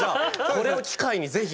これを機会に是非。